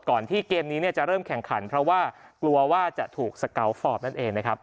ที่เกมนี้จะเริ่มแข่งขันเพราะว่ากลัวว่าจะถูกสกาวฟอร์มนั่นเองนะครับ